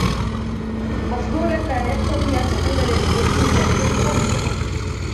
مَفْضُولًا مَا يَقْتَضِي أَنْ تَكُونَ نَتِيجَتُهُ مِنْ الْحِلْمِ مَذْمُومَةً